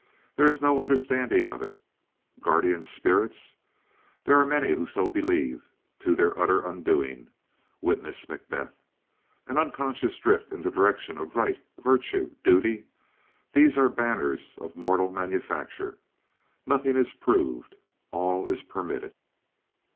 There is no understanding of it. Guardian spirits? There are many who so believe, to their utter undoing. (Witness Macbeth). An unconscious drift in the direction of right, virtue, duty? These are banners of mortal manufacture. Nothing is proved; all is permitted.